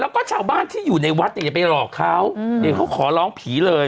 แล้วก็ชาวบ้านที่อยู่ในวัดเนี่ยอย่าไปหลอกเขาเดี๋ยวเขาขอร้องผีเลย